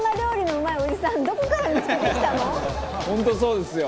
「本当そうですよ」